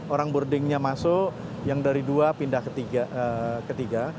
orang boardingnya masuk yang dari dua pindah ketiga